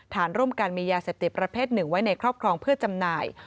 ฐานร่วมการมียาเสพติประเภท๑ไว้ในครอบครองเพื่อจำหน่าย